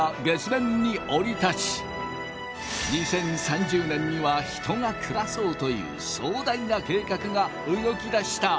２０３０年には人が暮らそうという壮大な計画が動きだした。